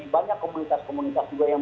banyak komunitas komunitas juga yang